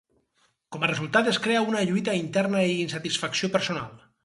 Com a resultat es crea una lluita interna i insatisfacció personal.